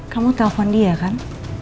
kamu telpon dia kan